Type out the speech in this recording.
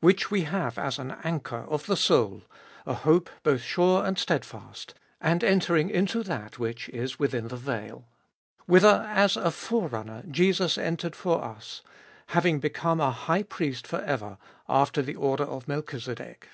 Which we have as an anchor of the soul, a hope both sure and sted fast1 and entering into that which is within the veil ; 20. Whither as a Forerunner Jesus entered for us, having become a High Priest for ever after the order of Melchizedek.